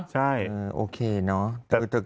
ใช่โอเคเนอะ